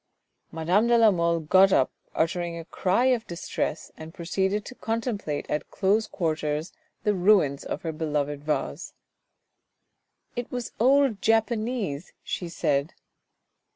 Madame de la Mole got up, uttering a cry of distress, and proceeded to contemplate at close quarters the ruins of her beloved vase. " It was old Japanese," she said.